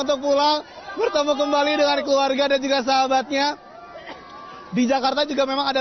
untuk pulang bertemu kembali dengan keluarga dan juga sahabatnya di jakarta juga memang ada